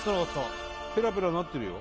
ペラペラなってるよ。